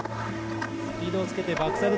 スピードをつけてバックサイド。